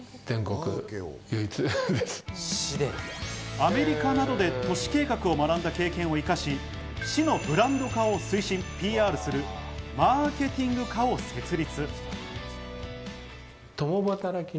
アメリカなどで都市計画を学んだ経験を生かし、市のブランド化を推進・ＰＲするマーケティング課を設立。